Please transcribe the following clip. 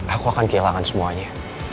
aku lagi kehilangan semuanya